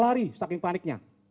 dia berpikir saking paniknya